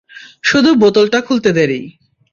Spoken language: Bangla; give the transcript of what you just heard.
শুধু বোতলটা খুলতে দেরী!